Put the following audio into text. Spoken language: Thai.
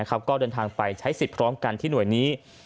ก็เดินทางไปใช้สิทธิ์พร้อมกันที่หน่วยนี้